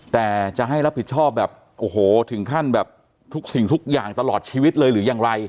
แต่จะให้รับผิดชอบแบบโอ้โหถึงขั้นแบบทุกสิ่งทุกอย่างตลอดชีวิตเลยหรือยังไร